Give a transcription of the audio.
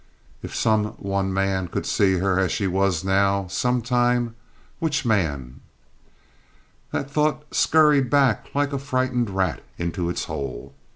If some one man could see her as she was now, some time! Which man? That thought scurried back like a frightened rat into its hole.